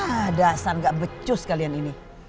ah dasar gak becus kalian ini